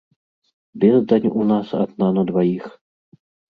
Бездань у нас адна на дваіх.